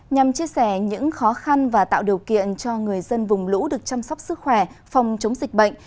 nhằm chia sẻ những khó khăn và tạo điều kiện cho người dân vùng lũ được chăm sóc sức khỏe phòng chống dịch bệnh